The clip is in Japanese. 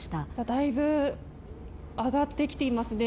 だいぶ上がってきていますね。